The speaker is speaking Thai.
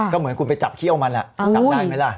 ก็เหมือนคุณไปจับเขี้ยวมันแหละคุณจำได้ไหมล่ะ